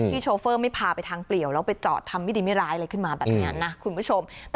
โชเฟอร์ไม่พาไปทางเปลี่ยวแล้วไปจอดทำไม่ดีไม่ร้ายอะไรขึ้นมาแบบนี้นะคุณผู้ชม